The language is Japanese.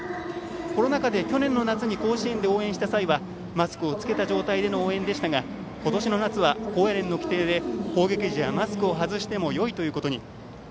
コロナ禍で去年の夏に甲子園で応援した際はマスクをつけての応援でしたが、今年の夏は高野連の規定で攻撃時はマスクを外してもよいということに。